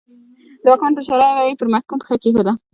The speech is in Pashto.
د واکمن په اشاره به یې پر محکوم پښه کېښوده.